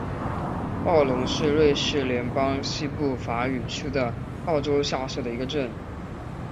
奥龙是瑞士联邦西部法语区的沃州下设的一个镇。